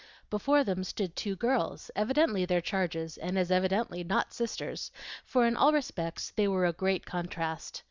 Before them stood two girls, evidently their charges, and as evidently not sisters, for in all respects they were a great contrast.